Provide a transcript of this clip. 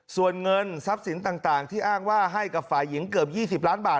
ส่วนเงินทรัพย์สินต่างที่อ้างว่าให้กับฝ่ายหญิงเกือบ๒๐ล้านบาท